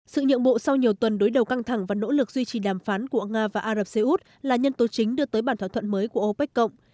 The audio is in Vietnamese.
sự nhượng bộ sau nhiều tuần đối đầu căng thẳng và nỗ lực duy trì đàm phán của nga và ả rập xê út là nhân tố chính đưa tới bản thỏa thuận mới của opec cộng